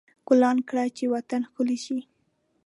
ګلان کر، چې وطن ښکلی شي.